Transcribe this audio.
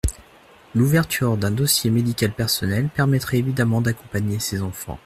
L’ouverture d’un dossier médical personnel permettrait évidemment d’accompagner ces enfants.